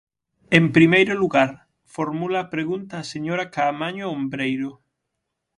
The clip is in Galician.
En primeiro lugar, formula a pregunta a señora Caamaño Ombreiro.